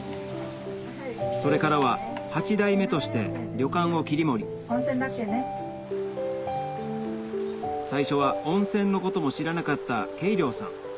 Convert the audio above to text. それからは８代目として旅館を切り盛り最初は温泉のことも知らなかった恵亮さん